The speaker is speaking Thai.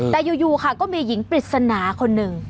แต่อยู่ค่ะก็มีหญิงปริศนาคนหนึ่ง